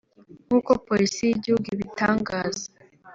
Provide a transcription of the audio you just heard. nk’uko Polisi y’igihugu ibitangaza